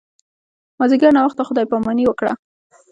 مازیګر ناوخته خدای پاماني وکړه.